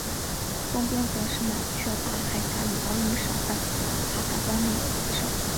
东边则是马却达海峡与岛屿省份卡坦端内斯省。